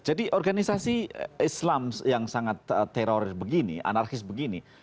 jadi organisasi islam yang sangat teroris begini anarkis begini